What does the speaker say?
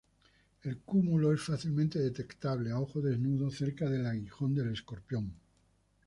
El cúmulo es fácilmente detectable a ojo desnudo cerca del "aguijón" del "Escorpión".